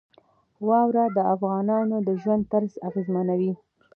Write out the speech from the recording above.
واوره د افغانانو د ژوند طرز اغېزمنوي.